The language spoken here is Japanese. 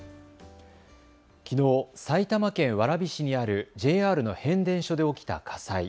きのう埼玉県蕨市にあるＪＲの変電所で起きた火災。